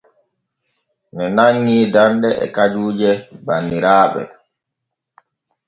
Ŋe nanŋi danɗe e kajuuje banniraaɓe.